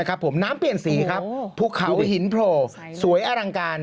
ครับผมน้ำเปลี่ยนสีครับภูเขาหินโผล่สวยอลังการ